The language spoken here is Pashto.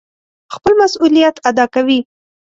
خپل مسئوليت اداء کوي.